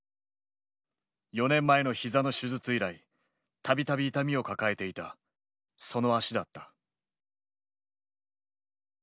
４年前のひざの手術以来度々痛みを抱えていたその足だった。